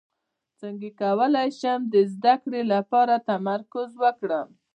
څنګه کولی شم د زده کړې لپاره تمرکز وکړم